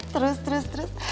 terus terus terus